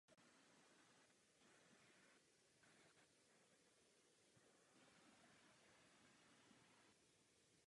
Dnes nemají Jezera žádný administrativní status.